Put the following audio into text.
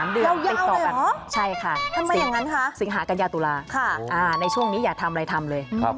๓เดือนเลยนะยาวเลยเหรอใช่ค่ะสิ่งหากัญญาตุลาในช่วงนี้อย่าทำอะไรทำเลย